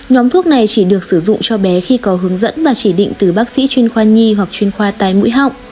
nhóm thuốc này chỉ được sử dụng cho bé khi có hướng dẫn và chỉ định từ bác sĩ chuyên khoa nhi hoặc chuyên khoa tai mũi họng